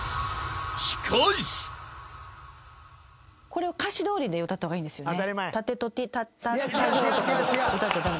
これを歌詞どおりで歌った方がいいんですよね？